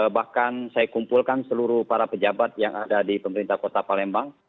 bahkan saya kumpulkan seluruh para pejabat yang ada di pemerintah kota palembang